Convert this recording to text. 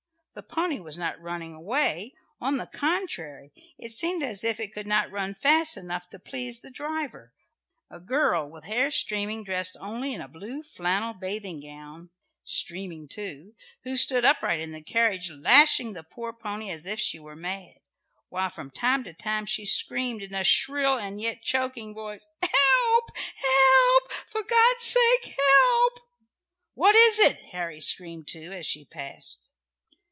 The pony was not running away, on the contrary, it seemed as if it could not run fast enough to please the driver; a girl with hair streaming, dressed only in a blue flannel bathing gown, streaming too, who stood upright in the carriage, lashing the poor pony as if she were mad, while from time to time she screamed, in a shrill and yet choking voice, "Help, help for God's sake, help!" "What is it?" screamed Harry too, as she passed.